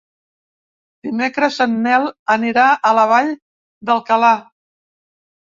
Dimecres en Nel anirà a la Vall d'Alcalà.